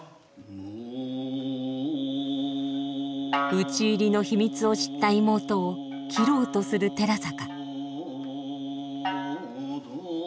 討ち入りの秘密を知った妹を斬ろうとする寺坂。